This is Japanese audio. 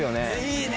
いいね。